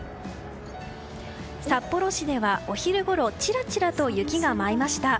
札幌市ではお昼ごろちらちらと雪が舞いました。